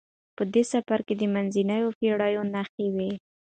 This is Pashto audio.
په دې سفر کې د منځنیو پیړیو نښې وې.